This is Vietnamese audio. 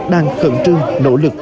đang khẩn trương nỗ lực